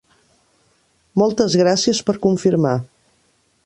Moltes gràcies per confirmar.